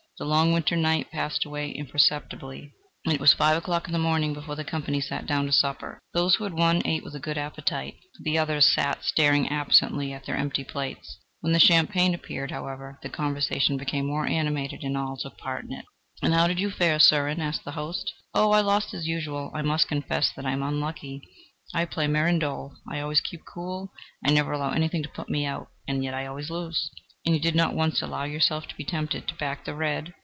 The long winter night passed away imperceptibly, and it was five o'clock in the morning before the company sat down to supper. Those who had won, ate with a good appetite; the others sat staring absently at their empty plates. When the champagne appeared, however, the conversation became more animated, and all took a part in it. "And how did you fare, Surin?" asked the host. "Oh, I lost, as usual. I must confess that I am unlucky: I play mirandole, I always keep cool, I never allow anything to put me out, and yet I always lose!" "And you did not once allow yourself to be tempted to back the red?...